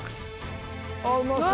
ああうまそう！